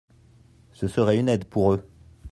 Ce serait une aide pour eux.